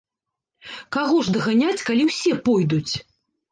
Каго ж даганяць, калі ўсе пойдуць.